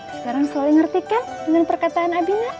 sekarang soleh ngerti kan dengan perkataan abi nak